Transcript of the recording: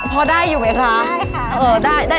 พอได้อยู่ไหมคะได้ค่ะ